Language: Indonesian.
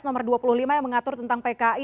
tap mpr empat puluh lima yang mengatur tentang pki